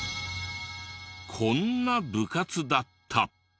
こんな部活だった。